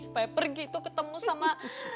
supaya pergi itu ketemu sama